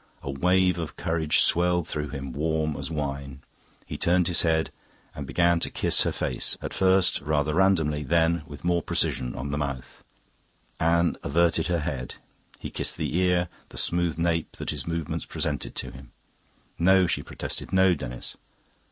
A wave of courage swelled through him, warm as wine. He turned his head, and began to kiss her face, at first rather randomly, then, with more precision, on the mouth. Anne averted her head; he kissed the ear, the smooth nape that this movement presented him. "No," she protested; "no, Denis."